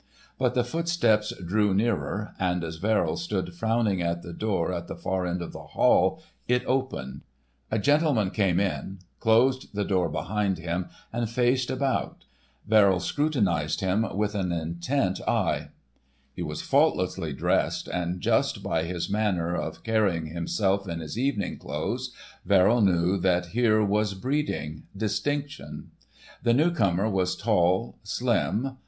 But the footsteps drew nearer, and as Verrill stood frowning at the door at the far end of the hall, it opened. A gentleman came in, closed the door, behind him, and faced about. Verrill scrutinised him with an intent eye. He was faultlessly dressed, and just by his manner of carrying himself in his evening clothes Verrill knew that here was breeding, distinction. The newcomer was tall, slim.